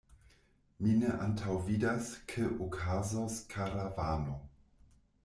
Mi ne antaŭvidas ke okazos karavano.